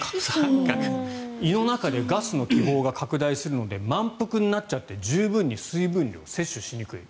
胃の中でガスの気泡が拡大するので満腹になっちゃって十分に水分量を摂取しにくい。